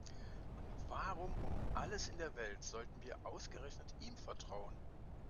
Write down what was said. Und warum um alles in der Welt sollten wir ausgerechnet ihm vertrauen?